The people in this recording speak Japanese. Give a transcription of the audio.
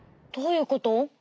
どういうこと？